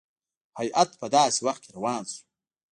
هیات په داسي وخت کې روان شو.